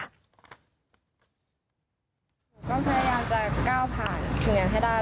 ผมก็พยายามจะก้าวผ่านถึงงานให้ได้